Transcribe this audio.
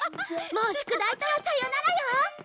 もう宿題とはさよならよ！